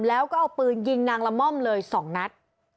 แล้วก็เอาปืนยิงนางละม่อมเลย๒นัด